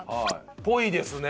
っぽいですね！